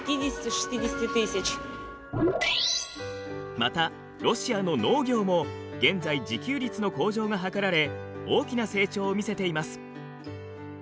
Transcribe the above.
またロシアの農業も現在自給率の向上が図られ大きな成長を見せています。